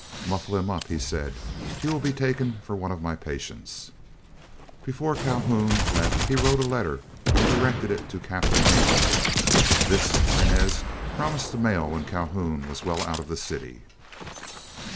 "Muffle him up," he said, "he will be taken for one of my patients." Before Calhoun left he wrote a letter, and directed it to Captain Haines — Regt. This Inez promised to mail when Calhoun was well out of the city.